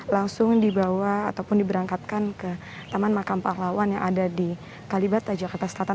langsung dibawa ataupun diberangkatkan ke taman makam pahlawan yang ada di kalibata jakarta selatan